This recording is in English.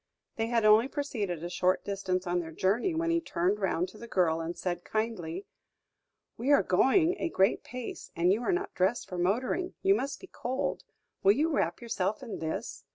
They had only proceeded a short distance on their journey, when he turned round to the girl, and said kindly: "We are going a great pace, and you are not dressed for motoring; you must be cold. Will you wrap yourself in this?"